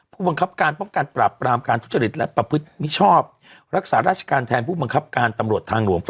ผู้บังคับการป้องกันปราบปรามการทุจริตและประพฤติมิชชอบรักษาราชการแทนผู้บังคับการตำรวจทางหลวง